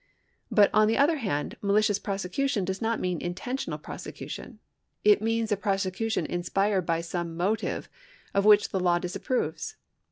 But on the other hand malicious prosecution does not mean intentional prosecution ; it means a prosecution inspired by some motive of which the law disapproves.